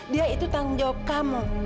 dia itu tanggung jawab kamu